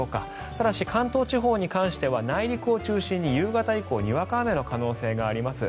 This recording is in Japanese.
ただし、関東地方に関しては内陸を中心に夕方以降にわか雨の可能性があります。